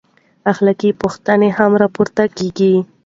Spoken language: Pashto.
اخلاقي پوښتنې هم راپورته کېږي.